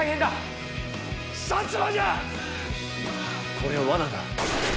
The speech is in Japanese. これは罠だ。